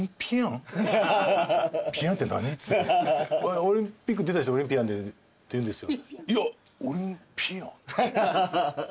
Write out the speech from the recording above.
っつったら「えっ？」「オリンピック出た人オリンピアンって言うんですよ」